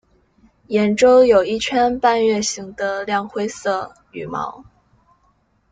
眼周有一圈半月形的亮灰色羽毛。